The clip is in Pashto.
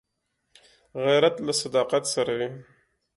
غیرت له صداقت سره وي